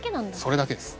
それだけです。